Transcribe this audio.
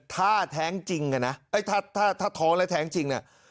ถ้าแท้งจริงนะถ้าท้องอะไรแท้งจริง